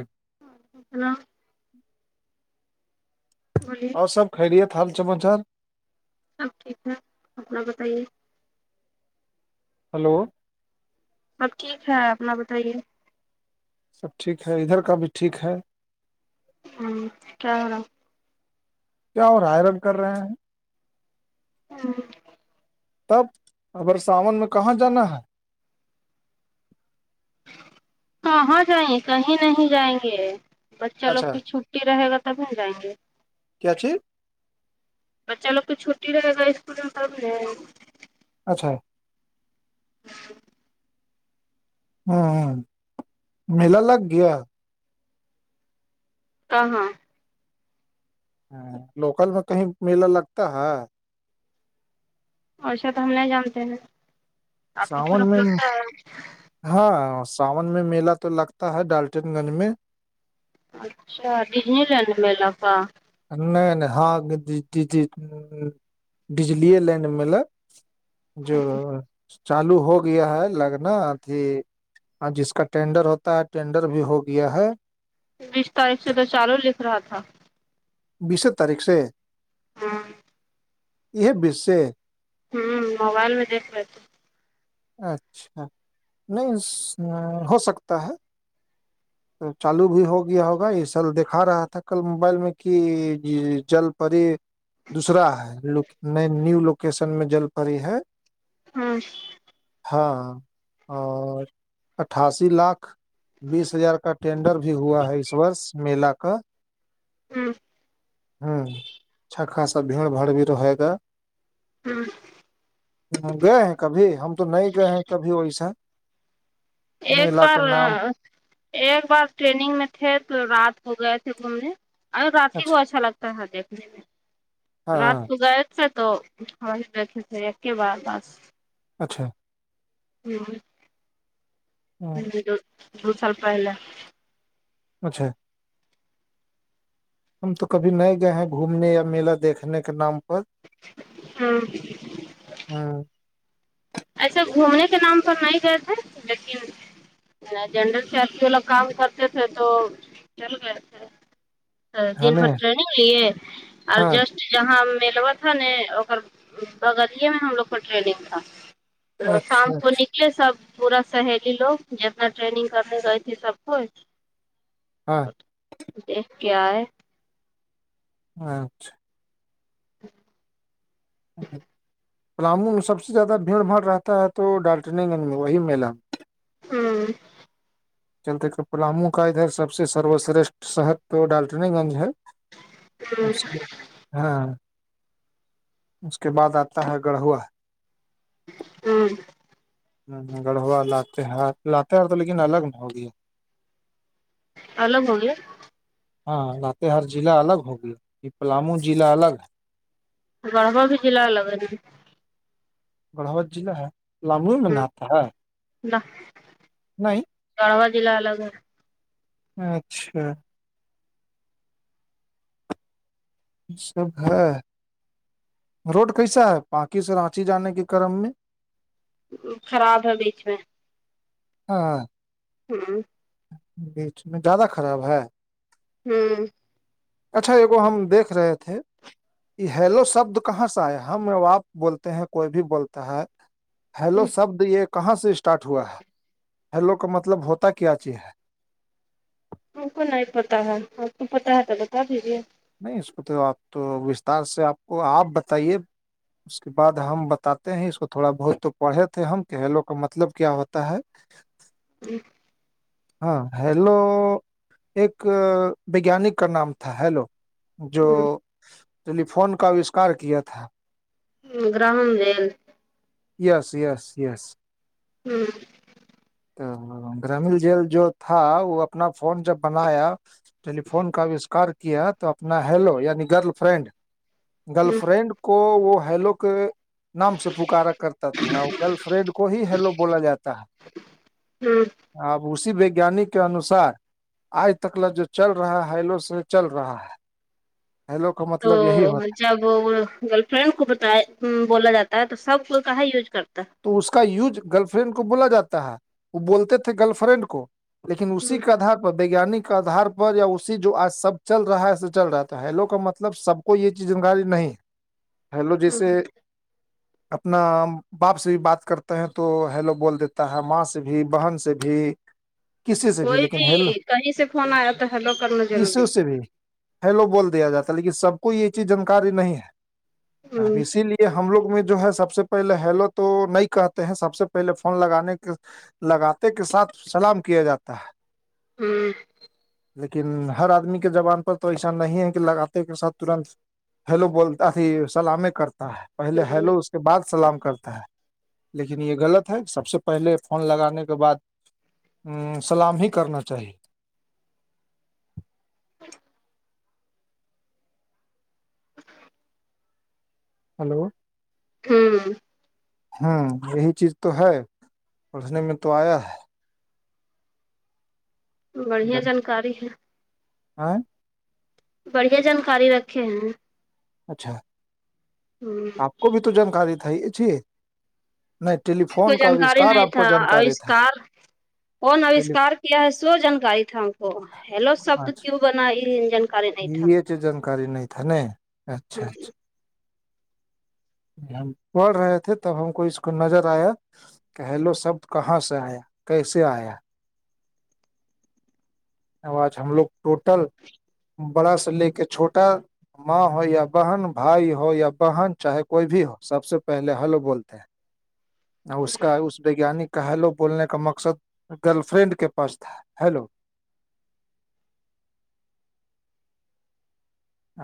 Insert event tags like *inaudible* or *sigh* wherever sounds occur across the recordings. اھ *inaudible* hello *inaudible* *inaudible* بولیے اور سب خیلیے حال چمچار *inaudible* سب ٹھیک ہے اپنا بتائیے *inaudible* ہلو ہم ٹھیک ہے اپنا بتائیے سب ٹھیک ہے ادھر کا بھی ٹھیک ہے ہوں کیا رہا *inaudible* کیا اور آائرن کر رہے ہیں *inaudible* ہاں *inaudible* تب ابگر ساون میں کہاں جانا ہے کہاں جائیں کہیں نہیں جائیں گے بچہ لوگ اچھا کی چھٹی رہے گا تب ہم جائیں گے کیا چھی *inaudible* بچہ لوگ تو چھوٹی رہے گا اسکول میں کب اچھا *inaudible* ہوں ہ میلا لگ گیا کہاں ہے *unintelligible* ہ لوکل میں کہیں میلا لگتا ہے اور شاید ہم نہیں جانتے ہیں آپ لوگ ساون طرف میں لگتا ہے ہاں ساون میں میلا تو لگتا ہے ڈالٹن گنج میں اچھا ڈزنی لینڈ میںلا تھاا نہیں نہیں ہاںی ڈجلی لائن مل *inaudible* جو چالو ہو گیا ہے لگنا ا تھی ہاں جس کا ٹینڈر ہوتا ہے ٹینڈر بھی ہو گیا ہے بیس تاریخ سے تو چالو لکھ رہا تھا بیس تاریخ سے ہاں یہ بش *inaudible* ہوں موبائل میں دیکھ لیتی اچھا نہیں ہو سکتا ہے چالو بھی ہو گیا ہوگا یہ سل دکھا رہا تھا کل موبائل میں کہ جل پی دوسرا ہے نیو لوکیشن میں جل پڑی ہے ہاں ہاں اور اٹھاسی لاکھ بیس ہزار کا ٹینڈر بھی ہوا ہے اس وورس میلا کا ہوں ہوں چھکھا ساب بھیڑ باڑ بھی رہے گا ہاں گئے ہیں کبھی ہم تو نہیں گئے ہیں کبھی ویسا ایک میلا کا بار نام ایک بار ٹریننگ میں تھے تو رات ہو گئے تھے گھومنے ارے رات ہی کو اچھا لگتا ہے دیکھنے میں ہاں رات کو گئے تو تو ہم بیھے ایک کے بار بس اچھا ہوں ہوں، ہ دو سولپ ہےل اچھا ہم تو کبھی نہیں گئے ہیں گھومنے یا میلہ دیکھنے کے نام پر ہاں ہاں ایسے گھومنے کے نام پر نہیں گئے تھے لیکن جنڈر سیلی والا کام کرتے تھے تو چل گئے تھے ا ہے دن بھر ن ٹر نہیں نہیں ہے اور ہاں جسٹ جہاں میلوا تھا ن ا بغلے میں ہم لوگ کو ٹرینگ تھا اچھا سانتوونک اچھا اسے سب پورا سہیلی لوگ جتنا ٹریننگ کرنے گئے تھے سب کو ہاں دیکھ کیا ہے اچھا *unintelligible* *inaudible* پلامو میں سب سے زیادہ بھیڑ بھاڑ رہتا ہے تو ڈالٹن گنج میں وہی میلہ ہاں چلتے کہ پلامو کا ادھر سب سے سروشرشٹھ شہر تو ڈالٹنی گنج ہے ہ *unintelligible* اس *inaudible* ہاں اس کے بعد آتا ہے گڑھوا ہوں ہ گڑھوا لاتے ہار لاتے ہار تو لیکن الگ نہ ہوگیا ال لگ ہوگے ہاں بات ہر ضلع الگ ہوگی یہ پلامو ضلع الگ ہے بڑ با بھی چل الگ ہےے بڑھاوت ضع ہے لموے میں نہاتا ہے اللہ نہیں تڑوا جلہ الگ ہے اچھا یہ سب ہے روڈ کیسا ہے پانکی سے رانچی جانے کے کرم میں خراب ہے بیچ میں ہاں ہاں بیچ میں زیادہ خراب ہے ہوں اچھا یہگو ہم دیکھ رہے تھے ہیلو شبد کہاں سا آ ہے ہم آپ بولتے ہیں کوئی بھی بولتا ہے ہیلو شبد یہ کہاں سے اسٹارٹ ہوا ہے ہیلو کا مطلب ہوتا کیا چیز ہے تم کو نہیں پتتا ہے اور کو پتا ہے تو بتا دیجیے نہیں اس کو تو آپ تو وستار سے آپ کو آپ بتائیے اس کے بعد ہم بتاتے ہیں اس کو تھوڑا بہت تو پڑھے تھے ہم کھیلو کا مطلب کیا ہوتا ہے جی ہاں ہیلو ایک بگیانک کا نام تھا ہیلو جو ہوں ٹیلیفون کا آوشکار کیا تھا گرہن د یس یس یس ہوں تو گرامل جیل جو تھا وہ اپنا فون جب بنایا ٹیلیفون کا آوشکار کیا تو اپنا ہیلو یعنی گرل فرینڈ گرل ہوں فرینڈ کو وہ ہیلو کے نام سے پکارا کرتا تھا اور گرل فرینڈ کو ہی ہیلو بولا جاتا ہوں ہے اب اسی ویگانک کے انوسار آج تکلا جو چل رہا ہے ہیلو سے چل رہا ہے ہیلو کا تو مطلب یہی ہوتا مجاگپ فرینڈ کو بتایا بولا جاتا ہے تو سب کو کہاں یوز کرتا ہے تو اس کا یوج گرل فرینڈ کو بولا جاتا ہے وہ بولتے تھے گرل فرینڈ کو لیکن ہے اسی کھا پ ویجانک آدار پر یا اسی جو آج سب چل رہا ہے ایے چل رہا ہے تو ہیلو کا مطلب سب کوئی یہ چی جکاری نہیں ج ہیلو جیسے اپنا باپ سے بھی بات کرتے ہیں تو ہیلو بول دیتا ہے ماں سے بھی بہن سے بھی کسی سے بھی کوئی لیکن ہل کہیں سے فون آیا تو ہیلو کرنا ضروری اسو سے بھی ہیلو بول دیا جاتا ہے لیکن سب کو یہ چیز جانکاری نہیں ہے اب ہوں اسی لیے یہ ہم لوگ میں جو ہے سب سے پہلے ہیلو تو نہیں کہتے ہیں سب سے پہلے فون لگانے کے لگاتے کے ساتھ سلام کیا جاتا ہے ہوں لیکن ہر آدمی کے زبان پر تو ایسا نہیں ہے کہ لگاتے کے ساتھ ترنت ہیلو بولتا تھی سلامیں کرتا ہے پہلے ہیلو اس کے بعد سلام کرتا ہے لیکن یہ غلط ہے کہ سب سے پہلے فون لگانے کے بعد سلام ہی کرنا چاہیے ہلو ہاں ہوں یہی چیز تو ہے پڑھنے میں تو آیا ہے بڑھیا جانکاری ہے ہاں بڑھیا جانکاری رکھے ہیں اچھا ہوں آپ کو بھی تو جانکاری تھا ا چیے ہم کو جانکاری نہیں آپ کو تھا جانکاری تھا اوشکار کون ٹیلی آوشکار کیا ہے سو جانکاری تھا ہم کو ہیلو شبد اچھا کیوں بنا جن یہ تو جانکاری نہیں تھا ن اچھا اچھا ہم پڑھ رہے تھے تب ہم کو اس کو نظر آیا کہ ہیلو سب کہاں سے آیا کیسے آیا آج ہم لوگ ٹوٹل بڑا سا لے کے چھوٹا ماں ہو یا بہن بھائی ہو یا بہن چاہے کوئی بھی ہو سب سے پہلے ہلو بولتے ہیں اس کا اس وگیانک کا ہیلو بولنے کا مقصد گرل فرینڈ کے پاس تھا ہیلو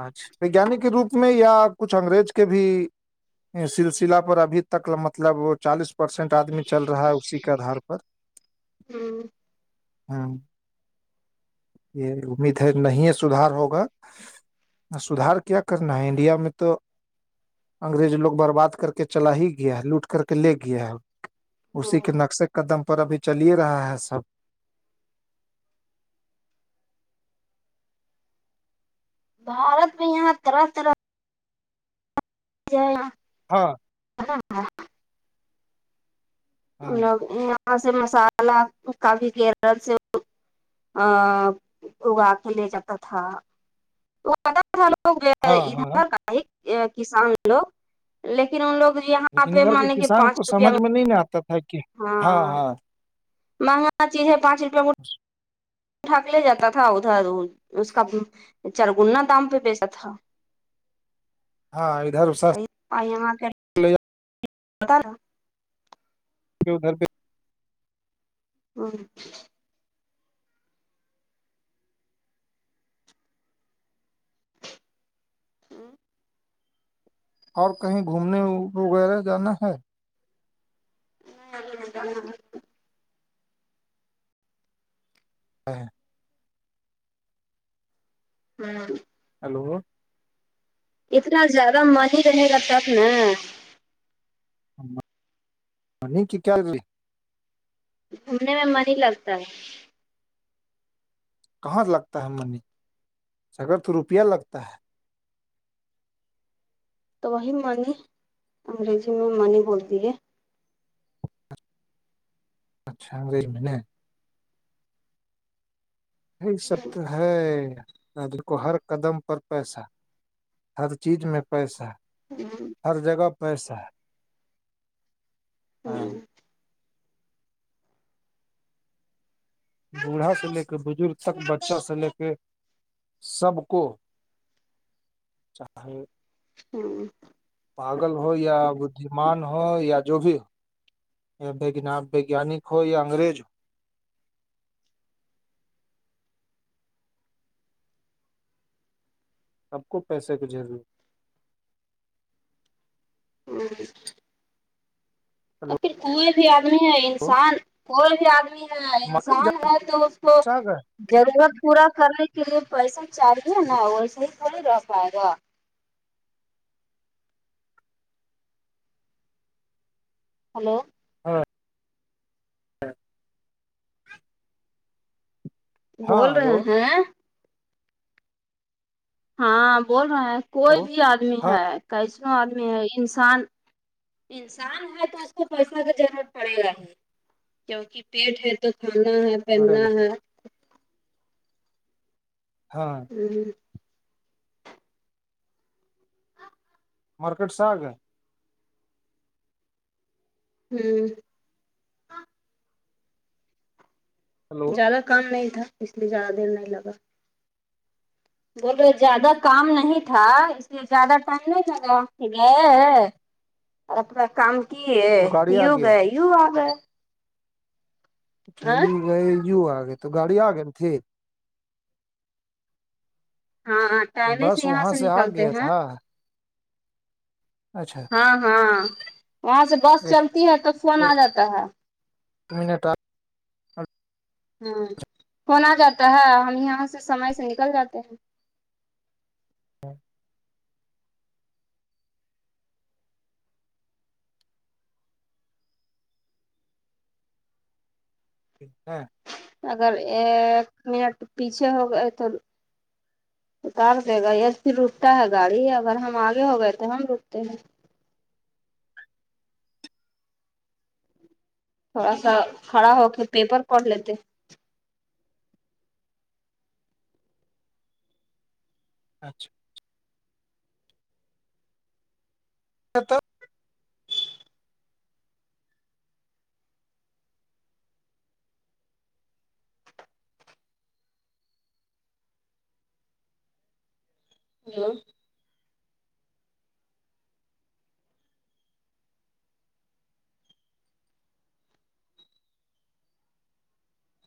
اچھ وجیانک کے روپ میں یا کچھ انگریز کے بھی سلسلہ پر ابھی تک مطلب چالیس پرسینٹ آدمی چل رہا ہے اسی کے آدار پر *inaudible* یہ امید ہے نہیں ہے سدھار ہوگا سدار کیا کرنا ہے انڈیا میں تو انگریز لو برباد کر کے چلا ہی گیا ہے لوٹ کر کے لے گیا ہے اسی کے نقشے کا دم پر ابھی چل ہی رہا ہے سب بارت میں یہاں طرح طرح *inaudible* ہاں *inaudible* و ہاں یہاں سے مسالہ کافی کیرل سے ا اگا کے لے جاتا تھا وہ لوگ ہاں ہاں ادھر کسان لوگ لیکن ان لوگ جی لیکن ان گھر کے کسان کو سمجھ میں نہیں نہیں آتا تھا کہ ہاں ہاں مہنگانا چیز ہے پانچ روپیہ ٹھااک لے جاتا تھا ادھر اس کا چرگنا دام پہ بیچا تھا *inaudible* ہاں ادھر آائاں لے جا *inaudible* *inaudible* *inaudible* اور کہیں گھومنے وغیرہ جانا ہے *inaudible* *inaudible* *inaudible* ہلو اتنا زیادہ منی ہی رہنے لگتاب ن منی کی کیای گھومنے میں من ہی لگتا ہے کہاں سے لگتا ہے منی اگر تو روپیہ لگتا ہے تو وہی منی انگریزی میں منی بولتی ہے اچھا انگریز میں ن یہ سب تو ہے د کو ہر قدم پر پیسہ ہر چیز میں پیسہ ہر جگہ پیسہ ہے ہ *inaudible* بوڑھا سے لے کے بزرگ تک بچہ سے لے کے سب کو *inaudible* *inaudible* پاگل ہو یا بدیمان ہو یا جو بھی ہو یا وگیانک ہو یا انگریز ہو آپ کو پیسے کی ضرور *unintelligible* اور ہلو پھر کوئی بھی آدمی ہے انسان کوئی بھی آدمی ہے مارکیٹ انسان ہے تو اس کو ج گئے ضرورت پورا کرنے کے لیے پیسہ چاہیے نا ویسے ہی تھوڑی رہ پائے گا ہلو *unintelligible* بول ہاں رہے ہلو ہیں ہاں بول رہے ہیں کوئی ہلو بھی آدمی ہاں ہے کیسن آدمی ہے انسان انسان ہے تو اس کو پیسہ کی ضرورت پڑے گا ہی کیونکہ پیٹ ہے تو کھانا ہے چڑے پہننا گا ہے ہاں ہوں مارکیٹ ساگ ہے ہمم ہلو ز کام نہیں تھا اس لیے زیادہ دیر نہیں لگا بولو زیادہ کام نہیں تھا زیادہ ٹائم نہیں لگا اور اپنا کام کی ہے تو گاڑی آ یوگ گیا یو آگ اچھا یو گئے یو آ گئے تو گاڑی آ گئے ن تھھی ہاں ٹائم سے بس یہاں وہاں سے آ نکلتے گیا ہیں تھا اچھا ہاں ہاں وہاں سے بس ایک چلتی ہے تو فون آ ایک جاتا ہے *unintelligible* ہوں فنا آ جاتا ہے ہم یہاں سے سمے سے نکل جاتے ہیں *unintelligible* *unintelligible* اگر ایک منٹ پیچھے ہو گئے تو اتار دے گا پ رکتا ہے گاڑی اگر ہم آگے ہو گئے تو ہم رکتے ہیں تھوڑا سا کھڑا ہو کے پیپر کر لیتے اچھا *unintelligible* *unintelligible*